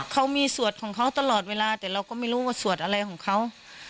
เขามีสวดของเขาตลอดเวลาแต่เราก็ไม่รู้ว่าสวดอะไรของเขา